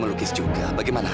terima kasih jatuh uang di depanku